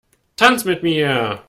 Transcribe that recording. Tanz mit mir!